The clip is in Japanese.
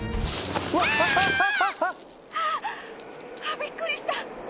びっくりした。